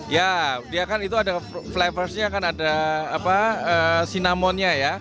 ya dia kan itu ada flavorsnya kan ada sinamonnya ya